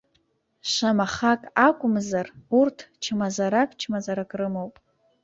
Шамахак акәымзар, урҭ чмазарак-чмазарак рымоуп.